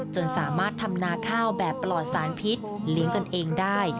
จนสามารถทำนาข้าวแบบปลอดสารพิษเลี้ยงกันเองได้